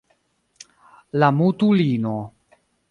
La mutulino.